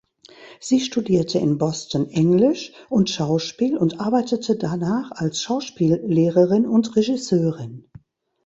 Sie studierte in Boston Englisch und Schauspiel und arbeitete danach als Schauspiellehrerin und Regisseurin.